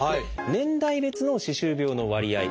年代別の歯周病の割合。